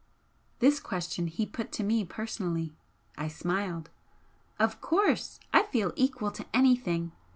This question he put to me personally. I smiled. "Of course! I feel equal to anything!